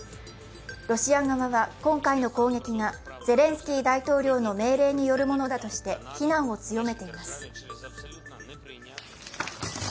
ロシア側は今回の攻撃がゼレンスキー大統領の命令によるものだとして非難を強めています。